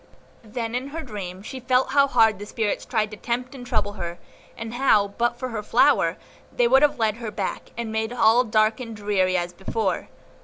Then in her dream she felt how hard the spirits tried to tempt and trouble her, and how, but for her flower, they would have led her back, and made all dark and dreary as before.